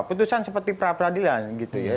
putusan seperti pra peradilan gitu ya